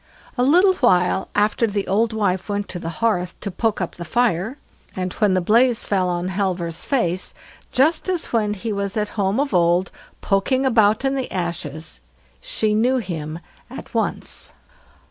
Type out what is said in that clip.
A little while after the old wife went to the hearth to poke up the fire, and when the blaze fell on Halvor's face, just as when he was at home of old poking about in the ashes, she knew him at once.